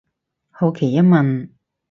好奇一問